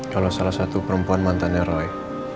kalau salah satu perempuan mantannya roy